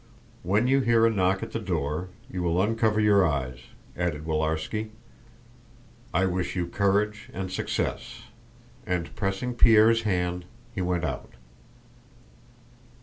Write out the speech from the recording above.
"When you hear a knock at the door, you will uncover your eyes," added Willarski. "I wish you courage and success," and, pressing Pierre's hand, he went out.